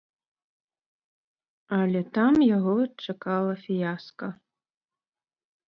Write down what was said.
Але там яго чакала фіяска.